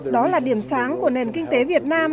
đó là điểm sáng của nền kinh tế việt nam